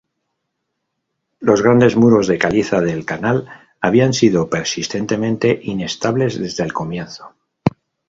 Los grandes muros de caliza del canal habían sido persistentemente inestables desde el comienzo.